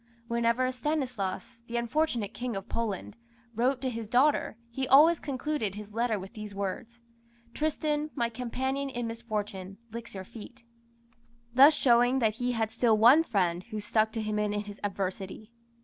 Whenever Stanislas, the unfortunate King of Poland, wrote to his daughter, he always concluded his letter with these words "Tristan, my companion in misfortune, licks your feet:" thus showing that he had still one friend who stuck to him in his adversity.